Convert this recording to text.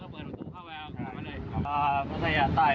พระเศรษฐ์ใต้